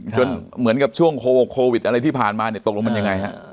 เหมือนกับช่วงโควิดอะไรที่ผ่านมาเนี่ยตกลงมันยังไงฮะ